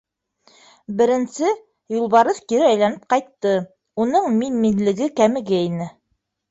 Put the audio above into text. Беренсе Юлбарыҫ кире әйләнеп ҡайтты, уның мин-минлеге кәмегәйне.